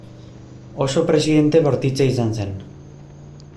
Oso presidente bortitza izan zen.